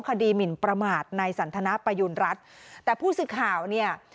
ขดีหมินประมาทในสันทนาปยุรัติแต่ผู้ศึกข่าวเนี่ย